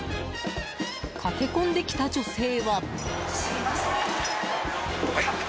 駆け込んできた女性は。